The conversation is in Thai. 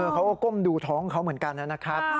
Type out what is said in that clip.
เขาก็ก้มดูท้องเขาเหมือนกันนะครับ